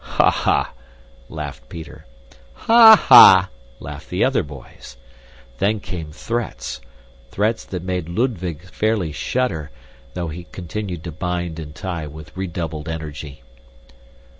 "Ha! ha!" laughed Peter. "Ha! ha!" laughed the other boys. Then came threats, threats that made Ludwig fairly shudder, though he continued to bind and tie with redoubled energy.